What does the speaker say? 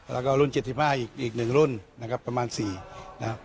แล้วก็รุ่นเจ็ดสิบห้าอีกอีกหนึ่งรุ่นนะครับประมาณสี่นะครับ